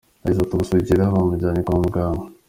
Yagize ati “Ubu Sugira bamujyanye kwa muganga.